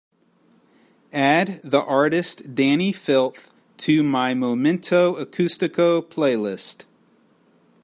add the artist dani filth to my momento acústico playlist